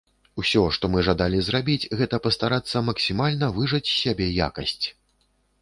Усё, што мы жадалі зрабіць, гэта пастарацца максімальна выжаць з сябе якасць.